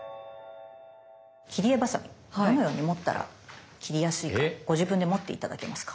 切り絵バサミどのように持ったら切りやすいかご自分で持って頂けますか？